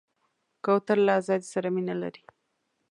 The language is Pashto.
کوتره له آزادۍ سره مینه لري.